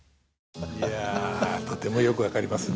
いやとてもよく分かりますね。